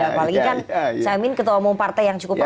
apalagi kan saya amin ketua umum partai yang cukup amat